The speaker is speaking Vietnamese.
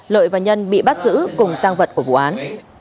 lợi và nhân bị bắt giữ cùng tăng vật của vụ án